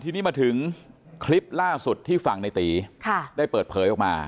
ทีนี้มาถึงคลิปล่าสุดที่ฝั่งในตีได้เปิดเผยออกมา